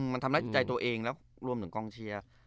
มันทำร้ายจิตใจตัวเองแล้วรวมถึงกองเชียร์